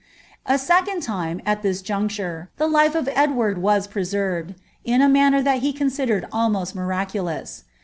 * K second time, at this juncture, the life of Edward was preserved, in Mumer that he considered almost miraculous.